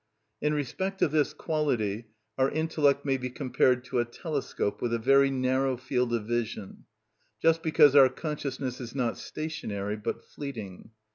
In respect of this quality our intellect may be compared to a telescope with a very narrow field of vision; just because our consciousness is not stationary but fleeting.